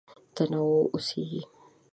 تنوع اوسېږي.